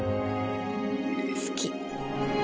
好き。